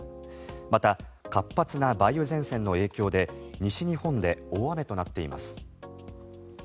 また、活発な梅雨前線の影響で西日本で大雨となっています。